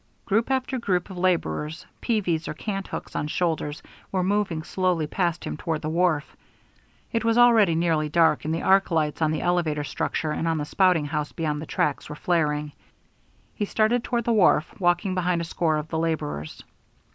Group after group of laborers, peavies or cant hooks on shoulders, were moving slowly past him toward the wharf. It was already nearly dark, and the arc lights on the elevator structure, and on the spouting house, beyond the tracks, were flaring. He started toward the wharf, walking behind a score of the laborers.